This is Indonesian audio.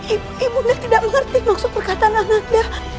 ibu bunda tidak mengerti maksud perkataan anak anda